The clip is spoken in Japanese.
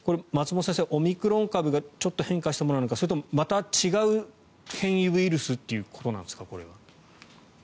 松本先生、オミクロン株がちょっと変化したものなのかそれともまた違う変異ウイルスということですか？